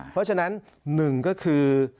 เพราะฉะนั้นหนึ่งก็คือ